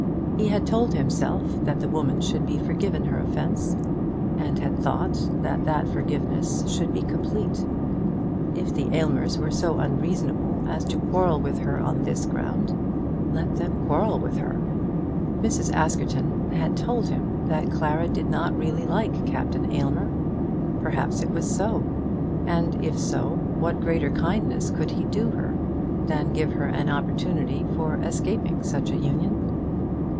He had told himself that the woman should be forgiven her offence, and had thought that that forgiveness should be complete. If the Aylmers were so unreasonable as to quarrel with her on this ground, let them quarrel with her. Mrs. Askerton had told him that Clara did not really like Captain Aylmer. Perhaps it was so; and if so, what greater kindness could he do her than give her an opportunity for escaping such a union?